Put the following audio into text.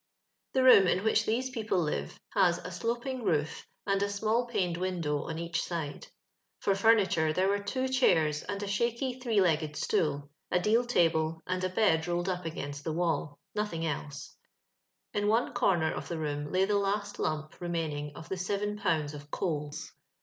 The room in which these people live has a sloping roof, and a small paned window on each side. For furniture, there were two cha&8 and a shaky, three legged slool, a deal table, and a bed rolled up against the wall — nothing else. In one comer of the room lay the last lump remaining of the seven pounds of coals.